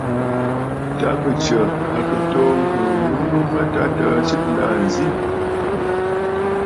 Ta bɨ Tsə̀ à kɨ toò ŋ̀kɨ̀ɨ̀ ghu nu mə tâ təə tsiʼì la nzì.